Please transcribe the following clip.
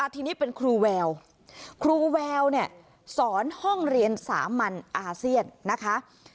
ทีนี้เป็นครูแววครูแววเนี่ยสอนห้องเรียนสามัญอาเซียนนะคะ